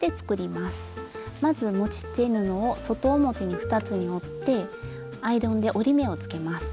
まず持ち手布を外表に２つに折ってアイロンで折り目をつけます。